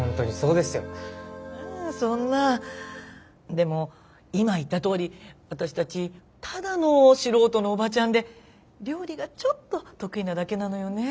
でも今言ったとおり私たちただの素人のおばちゃんで料理がちょっと得意なだけなのよねえ。